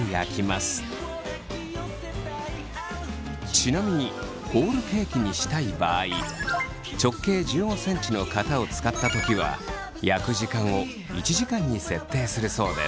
ちなみにホールケーキにしたい場合直径１５ｃｍの型を使った時は焼く時間を１時間に設定するそうです。